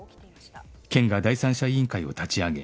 県が第三者委員会を立ち上げ